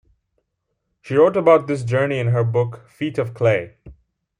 She wrote about this journey in her book "Feet of Clay".